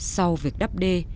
sau việc đắp đê